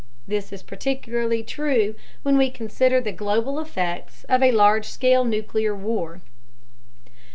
This is particularly true when we consider the global effects of a large scale nuclear war.